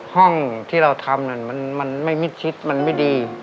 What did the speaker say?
ห้องที่เราทำมันไม่มิดชิดมันไม่ดี